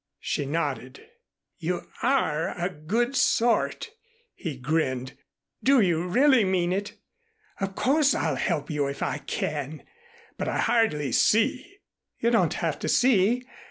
She nodded. "You are a good sort," he grinned. "Do you really mean it? Of course I'll help you if I can, but I hardly see " "You don't have to see.